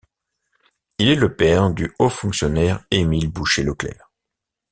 Il est le père du haut fonctionnaire Émile Bouché-Leclercq.